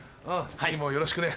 次もよろしくね。